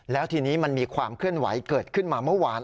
แล้วทีนี้มันมีความเคลื่อนไหวเกิดขึ้นมาเมื่อวาน